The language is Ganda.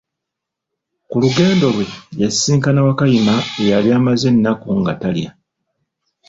Ku lugendo lwe yasisinkana Wakayima eyali amaze ennaku nga talya.